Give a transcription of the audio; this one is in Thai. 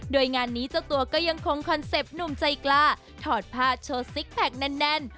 โดยงานนี้เจ้าตัวก็ยังคงคอนเซ็ปต์หนุ่มใจกล้าถอดผ้าโชว์ซิกแพคแน่น